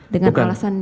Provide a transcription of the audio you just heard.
dengan alasan hmm